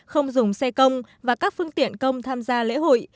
không dùng xe công và các phương tiện công tham gia lễ hội